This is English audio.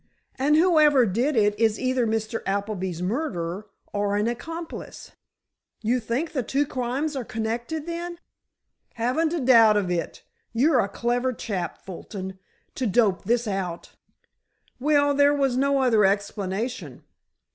"And whoever did it is either Mr. Appleby's murderer, or an accomplice." "You think the two crimes are connected, then?" "Haven't a doubt of it. You're a clever chap, Fulton, to dope this out——" "Well, there was no other explanation.